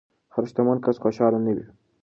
هر شتمن کس خوشحال نه وي.